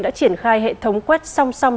đã triển khai hệ thống quét song song